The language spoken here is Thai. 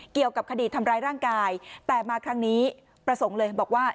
เกี่ยวกับคดีทำร้ายร่างกายแต่มาครั้งนี้ประสงค์เลยบอกว่า